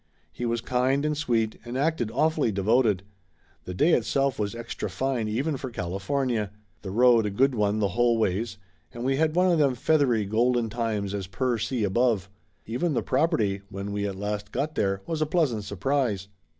He was kind and sweet and acted awfully devoted, the day itself was extra fine even for Cali fornia, the road a good one the whole ways, and we had one of them feathery, golden times as per see above. Even the property, when we at last got there, was a pleasant surprise.